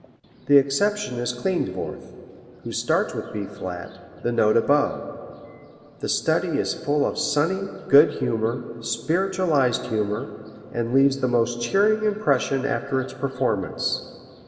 The exception is Klindworth, who starts with B flat, the note above. The study is full of sunny, good humor, spiritualized humor, and leaves the most cheering impression after its performance.